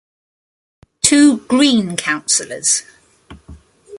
Two Green councillors.